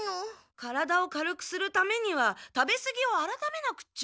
体を軽くするためには食べすぎをあらためなくっちゃ。